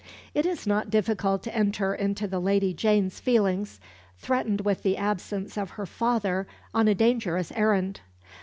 It is not difficult to enter into the Lady Jane's feelings, threatened with the absence of her father on a dangerous errand.